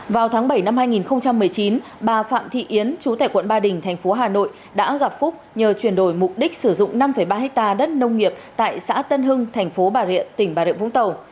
vào tháng bảy năm hai nghìn một mươi chín bà phạm thị yến chú tại quận ba đình thành phố hà nội đã gặp phúc nhờ chuyển đổi mục đích sử dụng năm ba hectare đất nông nghiệp tại xã tân hưng thành phố bà rịa tỉnh bà rịa vũng tàu